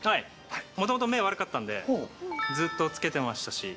もともと目、悪かったんで、ずっと着けてましたし。